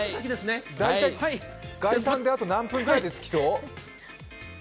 概算であと何分ぐらいで着きそう？